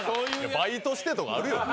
バイトしてとかあるよね。